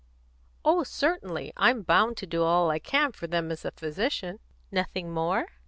"Oh, certainly. I'm bound to do all I can for them as a physician." "Nothing more?"